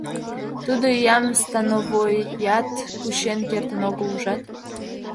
Тудо иям становоят кучен кертын огыл, ужат...